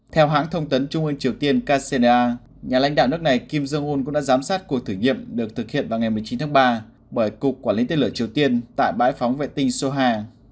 theo hãng thông tấn trung ương triều tiên kcna nhà lãnh đạo nước này kim jong un cũng đã giám sát cuộc thử nghiệm được thực hiện vào ngày một mươi chín tháng ba bởi cục quản lý tên lửa triều tiên tại bãi phóng vệ tinh soha